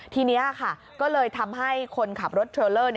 ทีนี้ค่ะก็เลยทำให้คนขับรถเทรลเลอร์